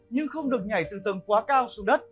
nhưng không được nhảy từ tầng quá cao xuống đất